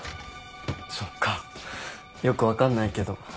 そっかよく分かんないけど。